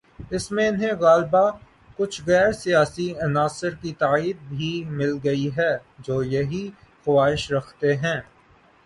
اس میں انہیں غالباکچھ غیر سیاسی عناصر کی تائید بھی مل گئی ہے" جو یہی خواہش رکھتے ہیں۔